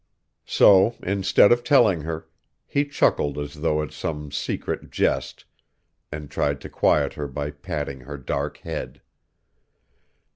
So, instead of telling her, he chuckled as though at some secret jest, and tried to quiet her by patting her dark head.